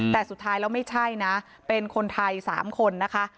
แต่สุดท้ายแล้วไม่ใช่นะเป็นคนไทย๓คนนะคะ